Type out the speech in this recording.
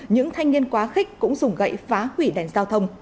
những thanh niên quá khích cũng dùng gậy phá hủy đèn giao thông